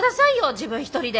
自分一人で。